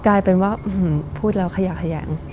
กลายเป็นว่าอืมพูดแล้วขยะ